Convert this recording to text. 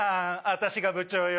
私が部長よ。